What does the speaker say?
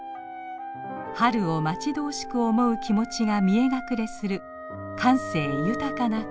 春を待ち遠しく思う気持ちが見え隠れする感性豊かな言葉です。